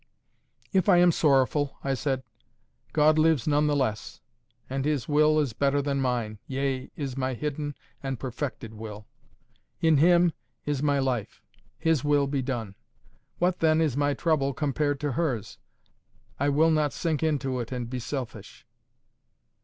"If I am sorrowful," I said, "God lives none the less. And His will is better than mine, yea, is my hidden and perfected will. In Him is my life. His will be done. What, then, is my trouble compared to hers? I will not sink into it and be selfish."